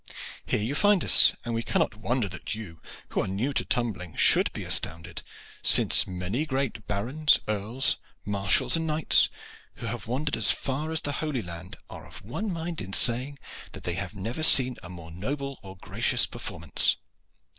Here you find us; and we cannot wonder that you, who are new to tumbling, should be astounded, since many great barons, earls, marshals and knights, who have wandered as far as the Holy Land, are of one mind in saying that they have never seen a more noble or gracious performance.